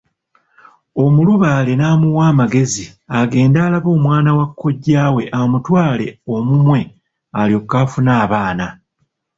Omulubaale n'amuwa amagezi agende alabe omwana wa kojjaawe amutwale omumwe alyoke afune abaana.